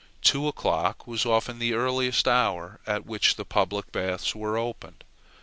Two o'clock was often the earliest hour at which the public baths were opened.